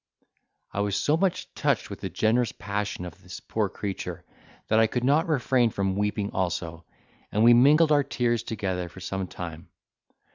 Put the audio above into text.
I was so much touched with the generous passion of this poor creature, that I could not refrain from weeping also, and we mingled our tears together for some time.